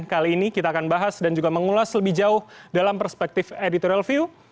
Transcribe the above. kali ini kita akan bahas dan juga mengulas lebih jauh dalam perspektif editorial view